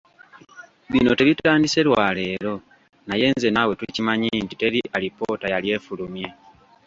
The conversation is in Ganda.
Bino tebitandise lwa leero naye nze naawe tukimanyi nti teri alipoota yali efulumye .